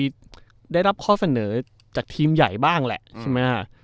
เคยได้รับข้อเสนอจากทีมใหญ่บ้างแหละ